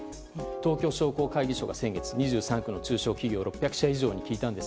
東京商工会議所が先月２３区の中小企業６００社以上に聞いたんです。